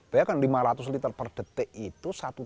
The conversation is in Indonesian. bayangkan lima ratus liter per detik itu